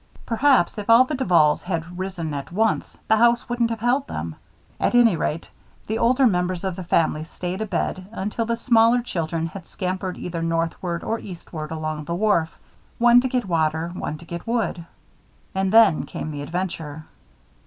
Perhaps, if all the Duvals had risen at once, the house wouldn't have held them. At any rate, the older members of the family stayed abed until the smaller children had scampered either northward or eastward along the wharf, one to get water, one to get wood. And then came the adventure.